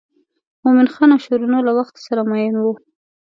مومن خان او شیرینو له وخته سره مئین وو.